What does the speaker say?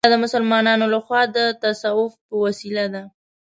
دا د مسلمانانو له خوا د تصوف په وسیله ده.